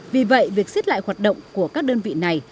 vì vậy việc xếp lại hoạt động của các đơn vị này